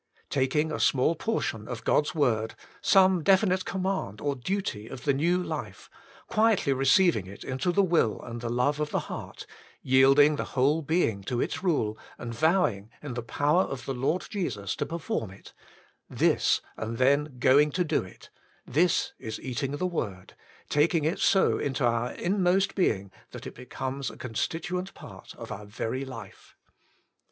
Taking a small portion of God's word, some definite command or duty of the new life, quietly receiving it into the will and the love of the heart, yielding the whole being to its rule, and vowing, in the power of the Lord Jesus, to perform it : this, and then Going to Do It^ this is eating the word, taking it so into our inmost being, that it becomes a constituent part of our very life.